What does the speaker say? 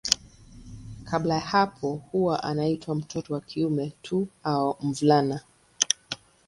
Kabla ya hapo huwa anaitwa mtoto wa kiume tu au mvulana.